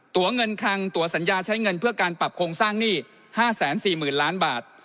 ตัวเงินคังตัวสัญญาใช้เงินเพื่อการปรับโครงสร้างหนี้๕๔๐๐๐ล้านบาท